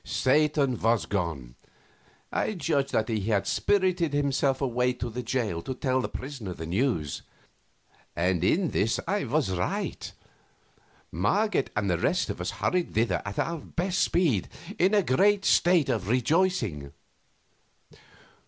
Satan was gone. I judged that he had spirited himself away to the jail to tell the prisoner the news; and in this I was right. Marget and the rest of us hurried thither at our best speed, in a great state of rejoicing.